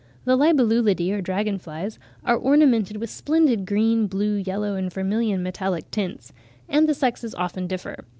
The Libellulidae, or dragon flies, are ornamented with splendid green, blue, yellow, and vermilion metallic tints; and the sexes often differ.